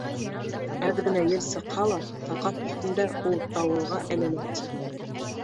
Әҙ генә ел сыҡһа ла, Талҡаҫ өҫтөндә ул тауылға әйләнә, ти.